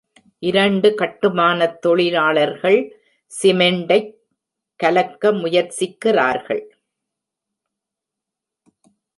இரண்டு கட்டுமானத் தொழிலாளர்கள் சிமெண்ட்டைக் கலக்க முயற்சிக்கிறார்கள்.